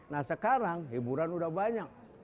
nah sekarang hiburan udah banyak